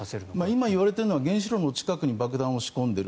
今言われているのは原発の近くに爆弾を仕込んでいる。